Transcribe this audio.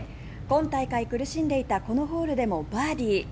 今大会苦しんでいたこのホールでもバーディー。